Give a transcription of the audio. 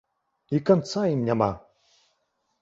І канца ім няма!